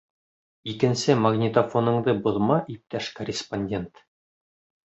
Икенсе магнитофоныңды боҙма, иптәш корреспондент.